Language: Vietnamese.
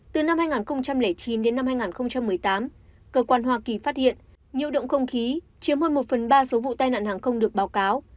từ năm hai nghìn chín đến năm hai nghìn một mươi tám cơ quan hoa kỳ phát hiện nhiễu động không khí chiếm hơn một phần ba số vụ tai nạn hàng không được báo cáo